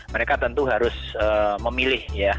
mereka tentu harus memilih ya